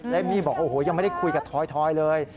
และมี่บอกโอ้โหยังไม่ได้คุยกับทอยเลย